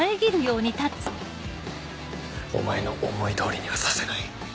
お前の思い通りにはさせない。